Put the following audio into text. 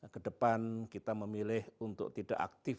ke depan kita memilih untuk tidak aktif